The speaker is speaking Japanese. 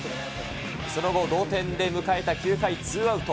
その後、同点で迎えた９回ツーアウト。